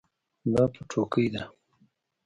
دا پټوکۍ ده